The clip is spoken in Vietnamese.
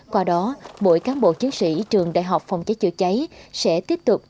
qua đó bộ cáng bộ chiến sĩ trường đại học phòng cháy chữa cháy sẽ tiếp tục